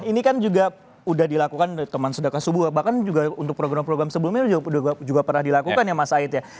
ini kan juga udah dilakukan teman sudah kasubuh bahkan juga untuk program program sebelumnya juga pernah dilakukan ya mas aid ya